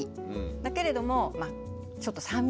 だけれどもちょっと酸味？